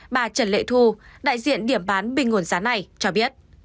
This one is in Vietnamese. bà trần lệ thu đại diện điểm bán bình nguồn giá này cho biết